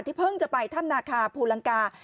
ที่เพิ่งไปทำนาคาร์ผูลังกา